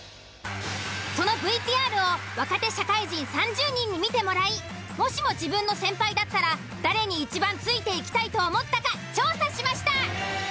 そのＶＴＲを若手社会人３０人に見てもらいもしも自分の先輩だったら誰にいちばんついていきたいと思ったか調査しました。